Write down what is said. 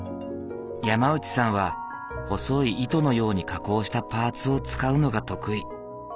山内さんは細い糸のように加工したパーツを使うのが得意。